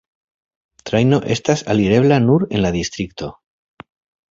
Trajno estas alirebla nur en la distrikto.